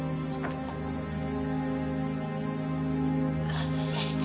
返して